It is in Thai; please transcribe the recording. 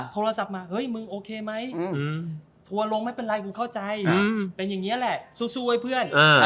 โทรศัพท์มาเฮ้ยมึงโอเคไหมทัวร์ลงไม่เป็นไรกูเข้าใจเป็นอย่างนี้แหละสู้ให้เพื่อน